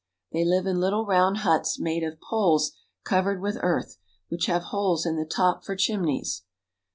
They live in little round huts made of poles covered with earth, which have holes in the top for chimneys.